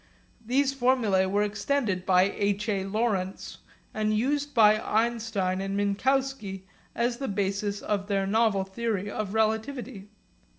These formulae were extended by H. A. Lorentz, and used by Einstein and Minkowski as the basis of their novel theory of relativity.